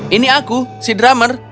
ini aku si drummer